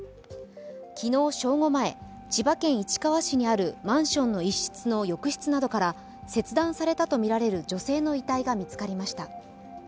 昨日正午前、千葉県市川市にあるマンションの一室の浴室などから切断されたとみられる女性の遺体が見つかりました。